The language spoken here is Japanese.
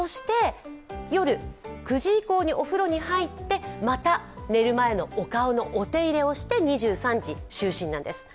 夜９時以降にお風呂に入って、また寝る前のお手入れをして２３時、就寝なんです。